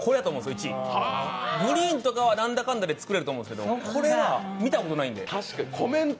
１位、グリーンはなんだかんだで作れると思うんですけど、これは見たことないので。